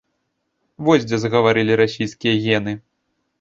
Вось дзе загаварылі расійскія гены!